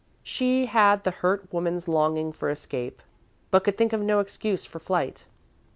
She had the hurt woman's longing for escape, but could think of no excuse for flight.